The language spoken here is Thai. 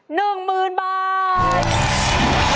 ๑หมื่นบาท